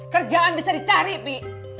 kerjaan bisa dicari pi